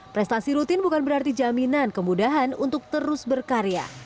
prestasi rutin bukan berarti jaminan kemudahan untuk terus berkarya